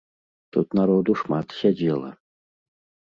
Тут народу шмат сядзела.